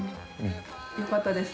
よかったです